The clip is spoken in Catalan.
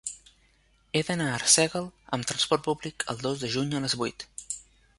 He d'anar a Arsèguel amb trasport públic el dos de juny a les vuit.